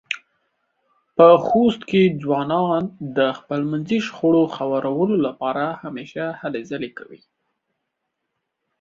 په خوست کې ځوانان د خپلمنځې شخړو خوارولو لپاره همېشه هلې ځلې کوي.